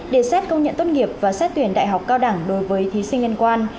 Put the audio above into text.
để xét công nhận tốt nghiệp và xét tuyển đại học cao đẳng đối với thí sinh liên quan